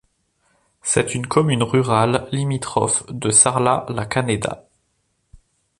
C'est une commune rurale limitrophe de Sarlat-la-Canéda.